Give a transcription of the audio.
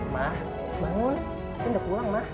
mah bangun itu udah pulang mah